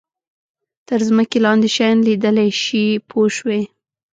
تر ځمکې لاندې شیان لیدلای شي پوه شوې!.